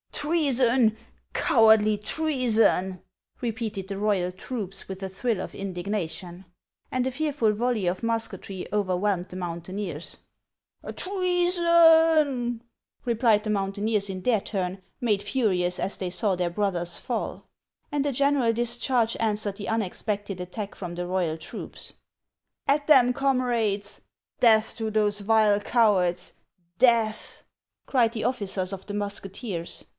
" Treason ! Cowardly treason !" repeated the royal troops, with a thrill of indignation. And a fearful volley of musketry overwhelmed the mountaineers. 26 402 HANS OF ICELAND. " Treason !" replied the mountaineers in their turn, made furious as they saw their brothers fall. And a general discharge answered the unexpected at tack from the royal troops. " At them, comrades ! Death to those vile cowards ! Death !" cried the officers of the musketeers.